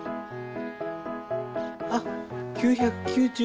あっ９９０。